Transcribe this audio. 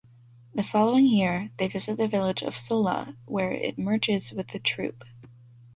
The following year, they visit the village of Sola where it merges with the troupe.